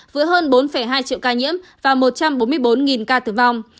với hơn bốn hai triệu ca nhiễm và một trăm bốn mươi bốn ca tử vong